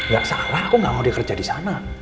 ya salah aku gak mau dia kerja di sana